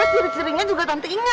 terus ciri cirinya juga tante ingat